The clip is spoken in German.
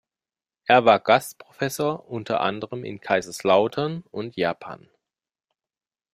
Er war Gastprofessor unter anderem in Kaiserslautern und Japan.